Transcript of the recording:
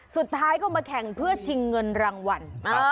สุดท้ายก็มาแข่งเพื่อชิงเงินรางวัล